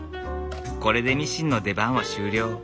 これでミシンの出番は終了。